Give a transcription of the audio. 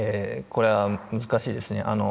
これは難しいですね。